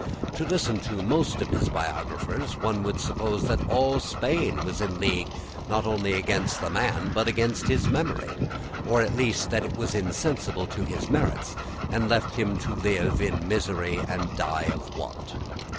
To listen to most of his biographers one would suppose that all Spain was in league not only against the man but against his memory, or at least that it was insensible to his merits, and left him to live in misery and die of want.